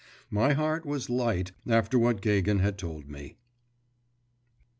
My heart was light after what Gagin had told me.